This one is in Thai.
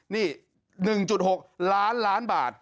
นี่๑๖ล้านล้านบาท